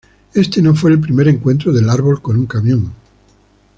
Éste no fue el primer encuentro del árbol con un camión.